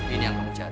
ini yang kamu cari